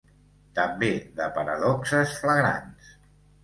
També de paradoxes flagrants.